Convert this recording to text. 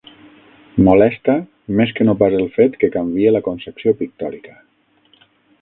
Molesta més que no pas el fet que canvie la concepció pictòrica.